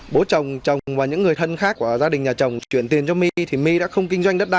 bố chồng chồng và những người thân khác của gia đình nhà chồng chuyển tiền cho my thì my đã không kinh doanh đất đai